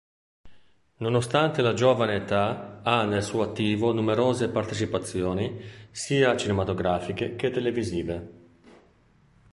Nonostante la giovane età ha al suo attivo numerose partecipazioni sia cinematografiche che televisive.